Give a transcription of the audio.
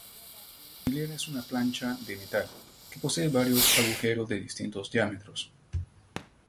Hilera es una plancha de metal, que posee varios agujeros de distintos diámetros.